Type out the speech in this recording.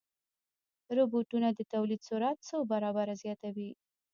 روبوټونه د تولید سرعت څو برابره زیاتوي.